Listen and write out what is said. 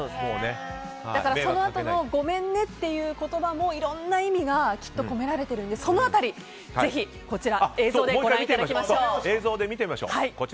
だからそのあとのごめんねという言葉もいろんな意味がきっと込められているのでその辺り、ぜひ映像でご覧いただきましょう。